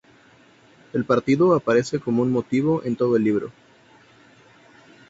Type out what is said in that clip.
El Partido aparece como un motivo en todo el libro.